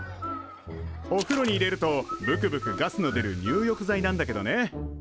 おふろに入れるとぶくぶくガスの出る入浴剤なんだけどね